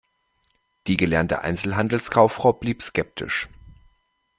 Die gelernte Einzelhandelskauffrau blieb skeptisch.